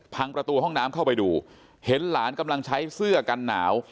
พังประตูห้องน้ำเข้าไปดูเห็นหลานกำลังใช้เสื้อกันหนาว